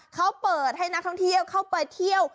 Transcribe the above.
เขาเปิดให้นักท่องเที่ยวเข้าไปเที่ยว